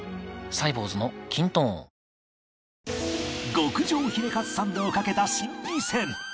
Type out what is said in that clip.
極上ヒレカツサンドを賭けた心理戦